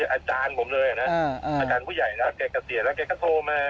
อาจารย์ผู้ใหญ่แกกระเสียแล้วแกกระโทรมา